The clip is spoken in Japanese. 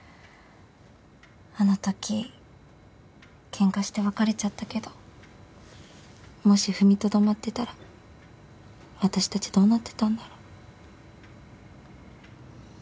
あのときケンカして別れちゃったけどもし踏みとどまってたら私たちどうなってたんだろ。